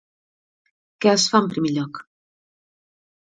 Què es fa en primer lloc?